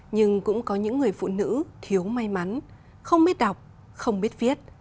nhưng cũng có những người phụ nữ thiếu may mắn không biết đọc không biết viết